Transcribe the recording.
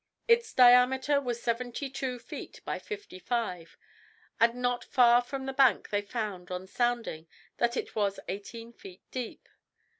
Its diameter was seventy two feet by fifty five, and not far from the bank they found, on sounding, that it was eighteen feet deep.